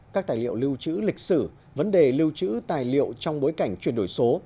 các tài liệu lưu chữ lịch sử vấn đề lưu chữ tài liệu trong bối cảnh chuyển đổi số